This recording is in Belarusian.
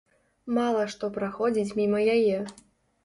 Мала што праходзіць міма яе.